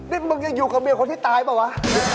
นี่มึงยังอยู่กับเมียคนที่ตายเปล่าวะ